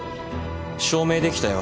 証明できたよ